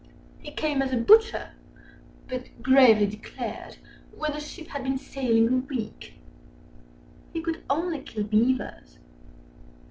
He came as a Butcher: but gravely declared, Â Â Â Â When the ship had been sailing a week, He could only kill Beavers.